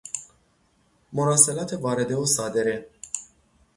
مراسلات وارده وصادره